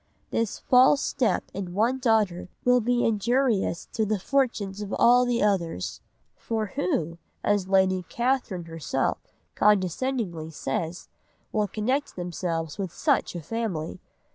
This false step in one daughter will be injurious to the fortunes of all the others; for who, as Lady Catherine herself condescendingly says, will connect themselves with such a family?